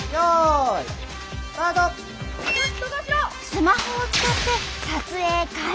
スマホを使って撮影開始！